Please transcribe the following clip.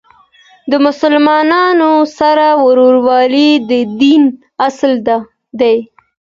د مسلمانانو سره ورورولۍ د دین اصل دی.